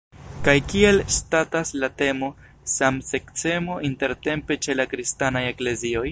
Kaj kiel statas la temo samseksemo intertempe ĉe la kristanaj eklezioj?